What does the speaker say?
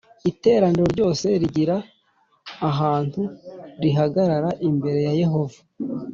Iteraniro ryose ryigira ahantu rihagarara imbere ya Yehova